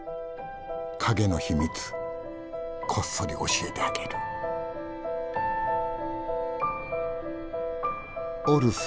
影の秘密こっそり教えてあげる。